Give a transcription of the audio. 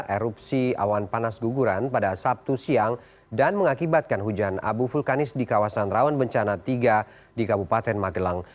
erupsi awan panas guguran pada sabtu siang dan mengakibatkan hujan abu vulkanis di kawasan rawan bencana tiga di kabupaten magelang